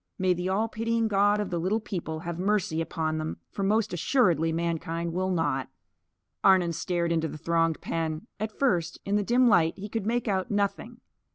May the all pitying God of the Little People have mercy upon them! For, most assuredly, mankind will not. Arnon stared into the thronged pen. At first, in the dim light, he could make out nothing.